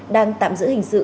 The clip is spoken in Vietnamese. đang tạm giữ hình sự